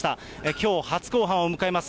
きょう初公判を迎えます。